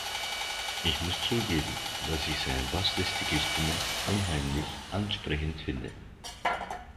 Ich muss zugeben, dass ich seine basslastige Stimme unheimlich ansprechend finde.